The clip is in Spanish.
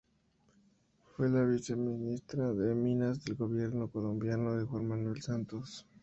Fue la viceministra de Minas del gobierno colombiano de Juan Manuel Santos.